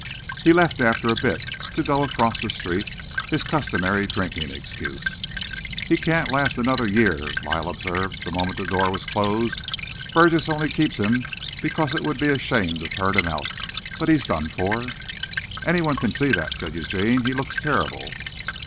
He left after a bit to "go across the street," his customary drinking excuse. "He can't last another year," Lyle observed the moment the door was closed. "Burgess only keeps him because it would be a shame to turn him out. But he's done for." "Anyone can see that," said Eugene. "He looks terrible."